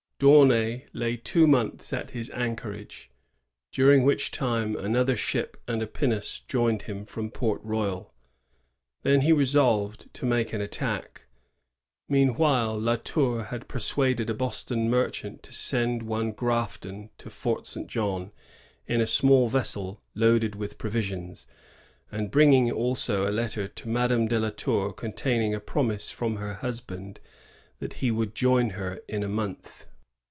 D'Aunay lay two months at his anchorage, during which time another ship and a pinnace joined him from Port Royal. Then he resolved to make an attack. Meanwhile, La Tour had persuaded a Boston merchant to send one Grafton to Fort St. Jean in a small vessel loaded with provisions, and bringing also a letter to Madame de la Tour contain ing a promise from her husband that he would join her in a month.